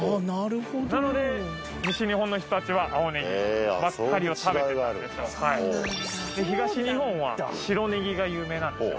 なので西日本の人たちは青ねぎばっかりを食べてたんですよで東日本は白ねぎが有名なんですよ